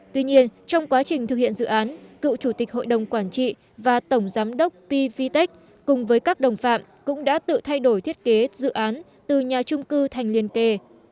tuy nhiên trong quá trình thực hiện dự án cựu chủ tịch hội đồng quản trị và tổng giám đốc pvtec cùng với các đồng phạm cũng đã tự thay đổi thiết kế dự án từ nhà trung cư thành liên kề